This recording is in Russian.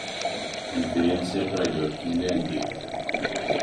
Конференция пройдет в Финляндии.